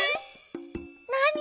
なに？